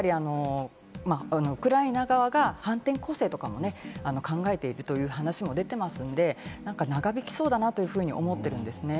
やっぱりウクライナ側が反転攻勢とかも考えているという話も出てますので、長引きそうだなっていうふうに思ってるんですね。